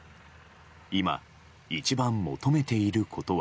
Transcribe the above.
今、一番求めていることは。